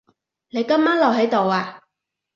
你今晚留喺度呀？